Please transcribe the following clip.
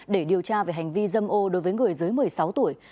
để điều tra về hành vi dâm ô đối với người dưới một mươi sáu tuổi